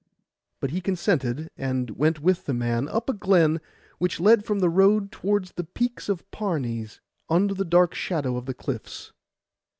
But he consented, and went with the man up a glen which led from the road toward the peaks of Parnes, under the dark shadow of the cliffs.